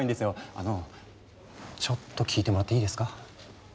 あのちょっと聞いてもらっていいですか？